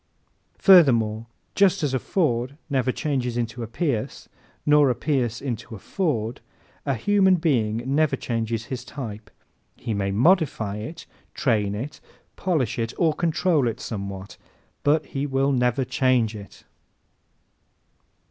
Furthermore just as a Ford never changes into a Pierce nor a Pierce into a Ford, a human being never changes his type. He may modify it, train it, polish it or control it somewhat, but he will never change it.